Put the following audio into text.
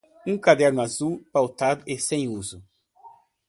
Um caderno azul, pautado e sem uso.